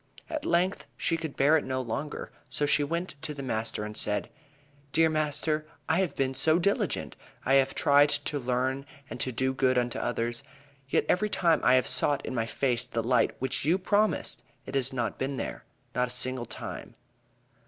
At length she could bear it no longer, so she went to the master and said: "Dear master, I have been so diligent! I have tried to learn and to do good unto others. Yet every time I have sought in my face the light which you promised, it has not been there. No, not a single time."